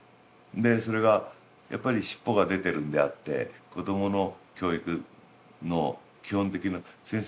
それがやっぱり尻尾が出てるんであって子どもの教育の基本的な先生の言うこと聞けってことじゃない。